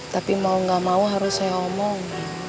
tapi mau gak mau harus saya ngomong